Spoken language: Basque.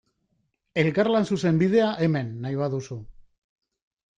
Elkarlan zuzenbidea, hemen, nahi baduzu.